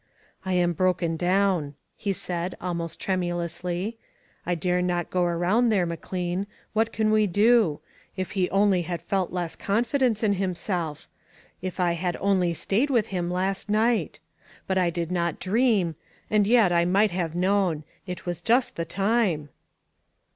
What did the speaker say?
" I am broken down," he said almost tremulously. "I dare not go around there, McLean; what can we do? If he only had felt less confidence in himself! If I had only stayed by him last night! But I did not dream — and yet, I might have known ; it was just the time."